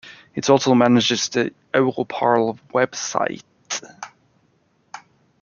It also manages the Europarl website.